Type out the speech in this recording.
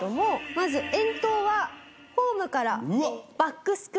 まず遠投はホームからバックスクリーン越え。